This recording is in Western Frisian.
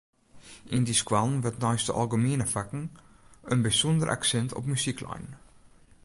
Yn dy skoallen wurdt neist de algemiene fakken in bysûnder aksint op muzyk lein.